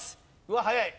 うわっ早い。